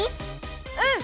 うん！